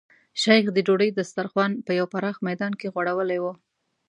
شیخ د ډوډۍ دسترخوان په یو پراخ میدان کې غوړولی و.